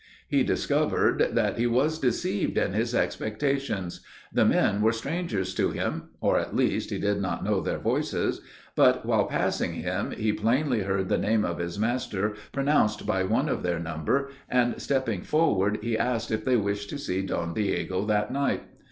He discovered that he was deceived in his expectations; the men were strangers to him, or, at least, he did not know their voices, but, while passing him, he plainly heard the name of his master pronounced by one of their number, and, stepping forward, he asked if they wished to see Don Diego that night.